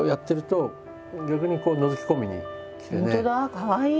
かわいい！